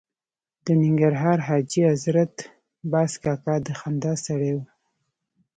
د ننګرهار حاجي حضرت باز کاکا د خندا سړی و.